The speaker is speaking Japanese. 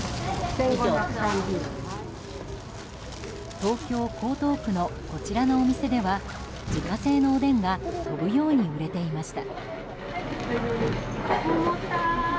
東京・江東区のこちらのお店では自家製のおでんが飛ぶように売れていました。